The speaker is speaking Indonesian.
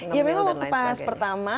memang waktu pas pertama